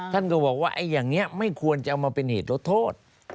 ท่านก็บอกว่าอย่างนี้ไม่ควรจะเอามาเป็นเหตุลดโทษ